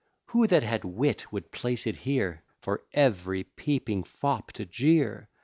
Who that had wit would place it here, For ev'ry peeping fop to jeer?